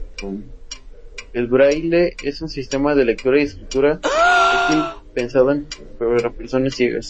El braille es un sistema de lectura y escritura táctil pensado para personas ciegas.